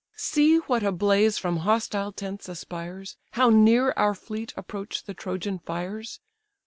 See what a blaze from hostile tents aspires, How near our fleet approach the Trojan fires!